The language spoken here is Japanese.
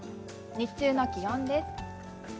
日中の気温です。